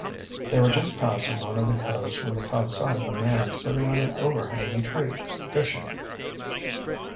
They were just passing one of the coves when they caught sight of a man sitting on an overhanging tree, fishing.